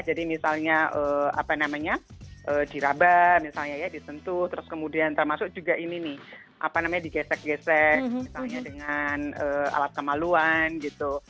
jadi misalnya apa namanya diraba misalnya ya disentuh terus kemudian termasuk juga ini nih apa namanya digesek gesek misalnya dengan alat kemaluan gitu